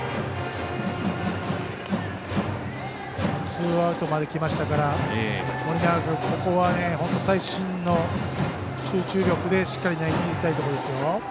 ツーアウトまで来ましたから盛永君、ここは本当に集中力でしっかり投げきりたいところです。